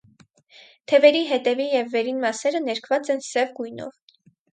Թևերի հետևի և վերին մասերը ներկված են սև գույնով։